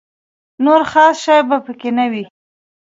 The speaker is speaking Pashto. نور خاص شی په کې نه و.